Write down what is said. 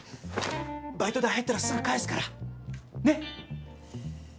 バイト代入ったらすぐ返すから！ね！